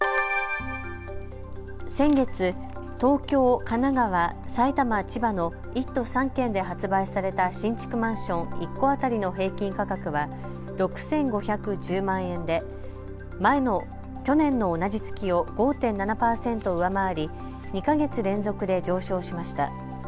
先月、東京、神奈川、埼玉、千葉の１都３県で発売された新築マンション１戸当たりの平均価格は６５１０万円で去年の同じ月を５．７％上回り２か月連続で上昇しました。